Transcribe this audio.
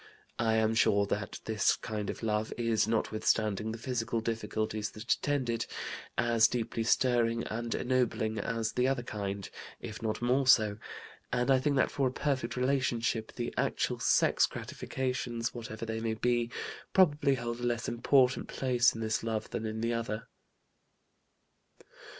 I am sure that this kind of love is, notwithstanding the physical difficulties that attend it, as deeply stirring and ennobling as the other kind, if not more so; and I think that for a perfect relationship the actual sex gratifications (whatever they may be) probably hold a less important place in this love than in the other."